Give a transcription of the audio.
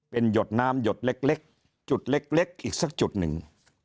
เป็นหยดน้ำหยดเล็กจุดเล็กอีกสักจุดหนึ่ง